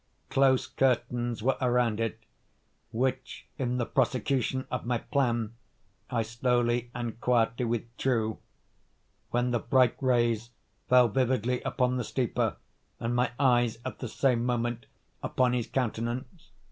Close curtains were around it, which, in the prosecution of my plan, I slowly and quietly withdrew, when the bright rays fell vividly upon the sleeper, and my eyes, at the same moment, upon his countenance.